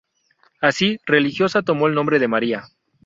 Así, religiosa tomó el nombre de Maria.